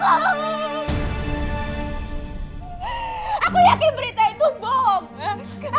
aku yakin berita itu bohong